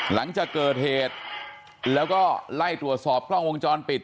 หลังจากเกิดเหตุแล้วก็ไล่ตรวจสอบกล้องวงจรปิด